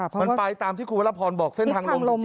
มันไปตามที่คุณวรพรบอกเส้นทางลง